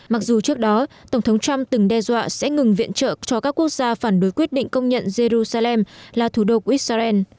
mặc dù trước đó tổng thống trump từng đe dọa sẽ ngừng viện trợ cho các quốc gia phản đối quyết định công nhận jerusalem là thủ đô của israel